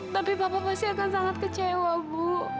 tapi bapak pasti akan sangat kecewa bu